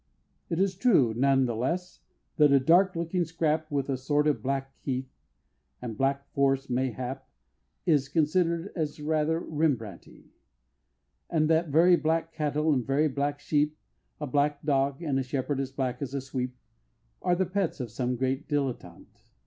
It is true, none the less, that a dark looking scrap, With a sort of Blackheath, and Black Forest, mayhap, Is consider'd as rather Rembrandty; And that very black cattle and very black sheep, A black dog, and a shepherd as black as a sweep, Are the pets of some great Dilettante.